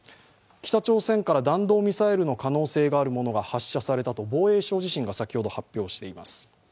北朝鮮から弾道ミサイルの可能性があるものが発射されたと防衛省自身が先ほど発表しています。